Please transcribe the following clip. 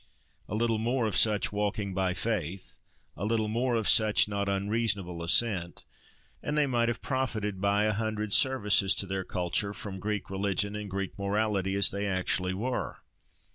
A little more of such "walking by faith," a little more of such not unreasonable "assent," and they might have profited by a hundred services to their culture, from Greek religion and Greek morality, as they actually were.